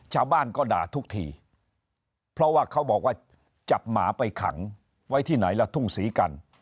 ชาวบ้านก็ด่าทุกทีเพราะว่าเขาบอกว่าจับหมาไปขังไว้ที่ไหนและทุ่งสีกัน